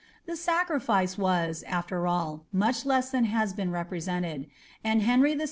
The sacrifice wan, «fw all, much less than has been represented ; and Henry VI.